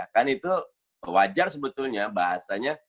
kan itu wajar sebetulnya bahasanya